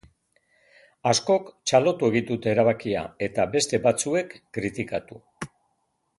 Askok txalotu egin dute erabakia, eta beste batzuek kritikatu.